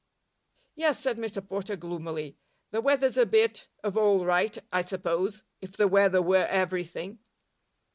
"Yes," said Mr Porter, gloomily, "the weather's a bit of all right, I suppose, if the weather were everything."